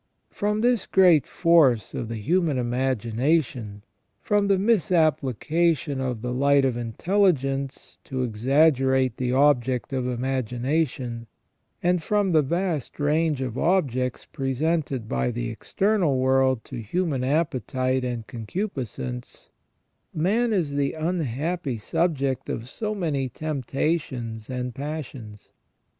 From this great force of the human imagination ; from the misapplication of the light of intelligence to exaggerate the object of imagination ; and from the vast range of objects pre sented by the external world to human appetite and concu piscence, man is the unhappy subject of so many temptations and passions.